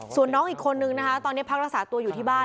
ส่วนน้องอีกคนนึงนะคะตอนนี้พักรักษาตัวอยู่ที่บ้าน